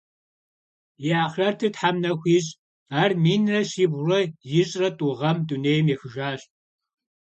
И ахърэтыр Тхьэм нэху ищӏ, ар минрэ щибгъурэ ищӏрэ тӏу гъэм дунейм ехыжащ.